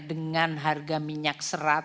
dengan harga minyak seratus